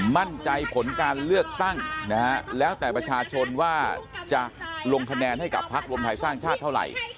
มั่นใจผลการเลือกตั้งนะฮะแล้วแต่ประชาชนว่าจะลงคะแนนให้กับพักรวมไทยสร้างชาติเท่าไหร่